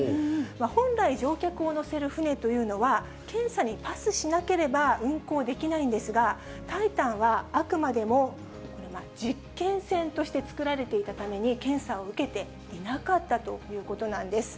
本来、乗客を乗せる船というのは、検査にパスしなければ運航できないんですが、タイタンはあくまでも実験船として造られていたために、検査を受けていなかったということなんです。